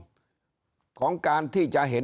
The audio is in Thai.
ตัวเลขการแพร่กระจายในต่างจังหวัดมีอัตราที่สูงขึ้น